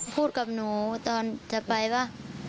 พูดกับหนูตอนจะไปว่า